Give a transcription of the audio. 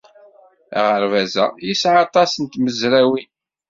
Aɣerbaz-a yesɛa aṭas n tmezrawin.